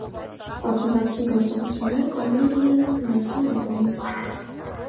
Պատմվածքի գործողությունները տեղի են ունենում գնացքի վագոնում։